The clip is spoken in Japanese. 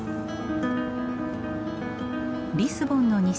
リスボンの西